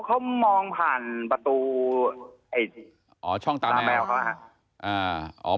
เขามองผ่านประตูช่องตาราแมวเขาครับ